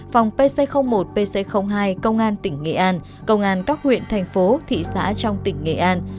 phòng pc một pc hai công an tỉnh nghệ an công an các huyện thành phố thị xã trong tỉnh nghệ an